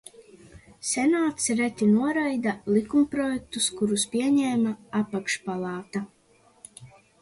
Senāts reti noraida likumprojektus, kurus pieņēma apakšpalāta.